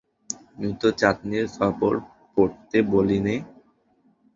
আমি তো চাঁদনির কাপড় পরতে বলি নে।